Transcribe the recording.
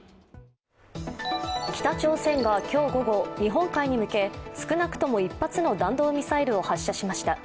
北朝鮮が今日午後日本海に向けて少なくとも１発の弾道ミサイルを発射しました。